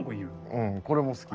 うんこれも好き。